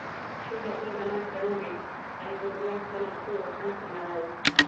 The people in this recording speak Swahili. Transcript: Sheikh Abeid Amani Karume alihudhuria mkutano mkuu wa chama cha Malawi